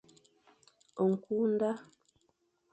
Ñkü nda.